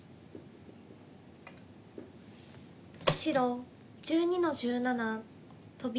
白１２の十七トビ。